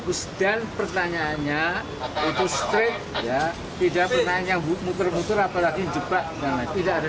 kemudian ditantang kalau mau bawa nasi jambrang juga masih ada